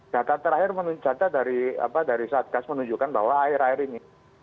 jakarta terakhir menunjukkan dari saat kas menunjukkan bahwa air air ini